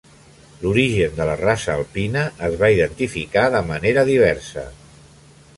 L'origen de la raça alpina es va identificar de manera diversa.